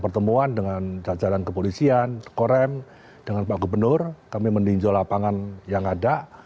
pertemuan dengan jajaran kepolisian korem dengan pak gubernur kami meninjau lapangan yang ada